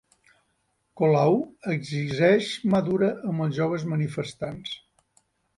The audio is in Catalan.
Colau exigeix mà dura amb els joves manifestants